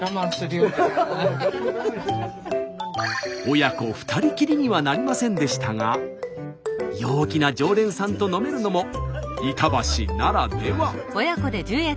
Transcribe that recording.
親子２人きりにはなりませんでしたが陽気な常連さんと飲めるのも板橋ならでは。